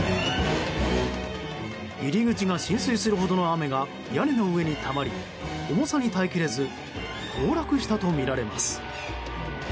入り口が浸水するほどの雨が屋根の上にたまり重さに耐えきれず崩落したとみられます。